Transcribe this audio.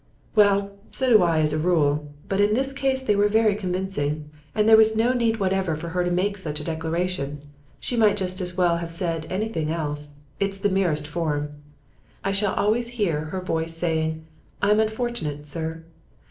'Well, so do I, as a rule. But in this case they were convincing. And there was no need whatever for her to make such a declaration; she might just as well have said anything else; it's the merest form. I shall always hear her voice saying, "I'm unfortunate, sir."